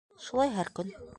Шулай һәр көн...